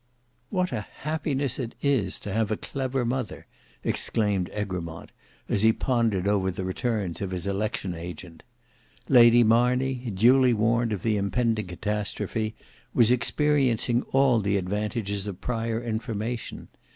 "What a happiness it is to have a clever mother," exclaimed Egremont, as he pondered over the returns of his election agent. Lady Marney, duly warned of the impending catastrophe, was experiencing all the advantages of prior information.